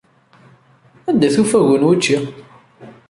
Anda-t ufagu n wučči?